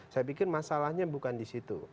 saya pikir masalahnya bukan di situ